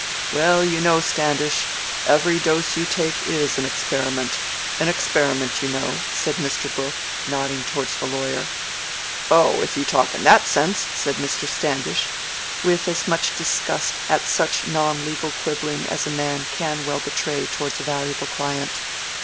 "Well, you know, Standish, every dose you take is an experiment an experiment, you know," said Mr. Brooke, nodding towards the lawyer. "Oh, if you talk in that sense!" said Mr. Standish, with as much disgust at such non legal quibbling as a man can well betray towards a valuable client.